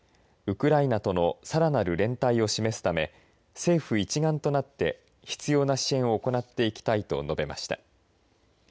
ウクライナとのさらなる連帯を示すため政府一丸となって必要な支援を行っていきたいと述べました。